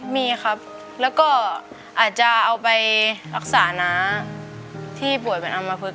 มีครับแล้วก็อาจจะเอาไปรักษาน้าที่ป่วยเป็นอำมพลึก